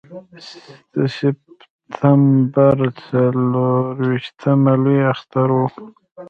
د سپټمبر څلرویشتمه لوی اختر و.